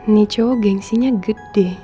nih cowok gengsinya gede